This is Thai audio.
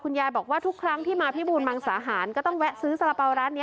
ยายบอกว่าทุกครั้งที่มาพิบูรมังสาหารก็ต้องแวะซื้อสาระเป๋าร้านนี้